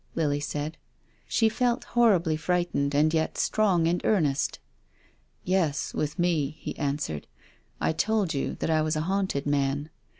Lily said. She felt horribly frightened and yet strong and earnest. •' Yes, with me, " he answered. " I told you that I was a haunted man.